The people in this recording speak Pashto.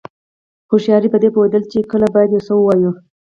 هوښیاري پدې پوهېدل دي چې کله باید یو څه ووایو.